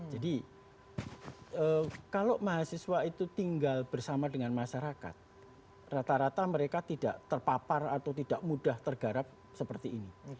jadi kalau mahasiswa itu tinggal bersama dengan masyarakat rata rata mereka tidak terpapar atau tidak mudah tergarap seperti ini